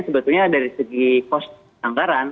sebetulnya dari segi cost anggaran